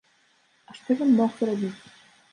А што ён мог зрабіць?